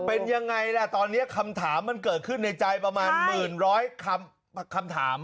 เป็นยังไงล่ะตอนนี้คำถามมันเกิดขึ้นในใจประมาณหมื่นร้อยคำถาม